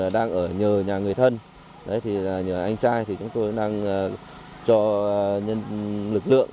thân thì nhờ anh trai thì chúng tôi đang cho lực lượng